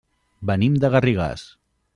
Venim de Garrigàs.